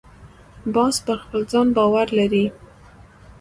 باز پر خپل ځان باور لري